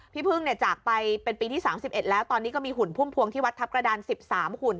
พี่พึ่งเนี่ยจากไปเป็นปีที่๓๑แล้วตอนนี้ก็มีหุ่นพุ่มพวงที่วัดทัพกระดาน๑๓หุ่น